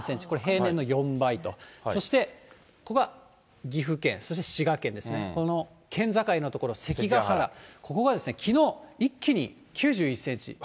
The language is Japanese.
これ平年の４倍と、そしてここが岐阜県、そして、滋賀県ですね、この県境の所、関ヶ原、ここがきのう、一気に９１センチ。